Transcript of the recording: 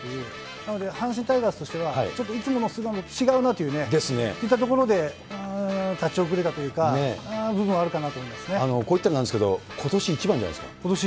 なので、阪神タイガースとしては、ちょっといつもの菅野とは違うなといったところで、立ち遅れたというか、こういったらなんですけど、ことし一番です。